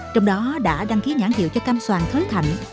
trong đó đã đăng ký nhãn hiệu cho cam soàn thới thạnh